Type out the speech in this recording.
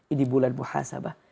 ini bulan muhasabah